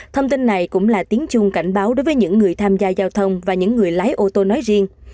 thông tin này cũng là tiếng chung cảnh báo đối với những người tham gia giao thông và những người lái ô tô nói riêng